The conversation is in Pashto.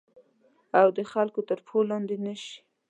او د خلګو تر پښو لاندي نه شي